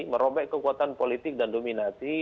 merobek kekuatan politik dan dominasi